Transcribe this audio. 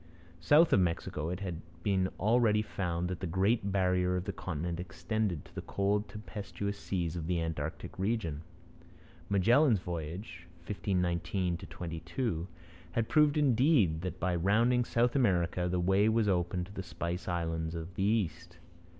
South of Mexico it had been already found that the great barrier of the continent extended to the cold tempestuous seas of the Antarctic region. Magellan's voyage (1519 22) had proved indeed that by rounding South America the way was open to the spice islands of the east.